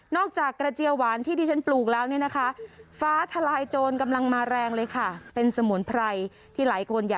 นอกจากกระเจียวหวานที่ที่ฉันปลูกแล้วนี่นะคะ